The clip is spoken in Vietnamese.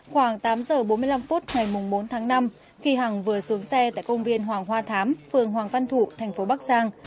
khoảng tám giờ bốn mươi năm phút ngày bốn tháng năm khi hằng vừa xuống xe tại công viên hoàng hoa thám phường hoàng văn thụ thành phố bắc giang